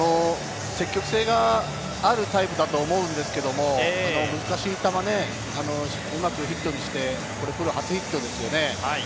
積極性があるタイプだと思うんですけれど、難しい球をうまくヒットにしてプロ初ヒットですよね。